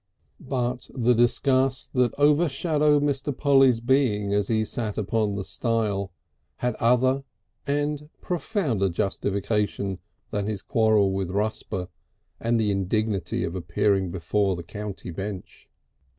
VII But the disgust that overshadowed Mr. Polly's being as he sat upon the stile, had other and profounder justification than his quarrel with Rusper and the indignity of appearing before the county bench.